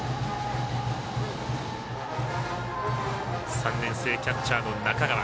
３年生キャッチャーの中川。